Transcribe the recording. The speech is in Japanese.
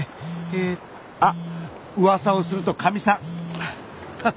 あっ噂をするとかみさん。